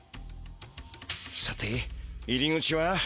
さて入り口は？